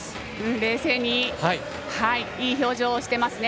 冷静にいい表情をしていますね。